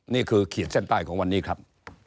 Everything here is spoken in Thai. นี่คือเขียนเส้นใต้ของวันนี้ครับ